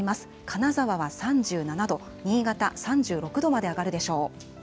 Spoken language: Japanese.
金沢は３７度、新潟３６度まで上がるでしょう。